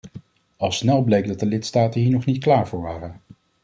Al snel bleek dat de lidstaten hier nog niet klaar voor waren.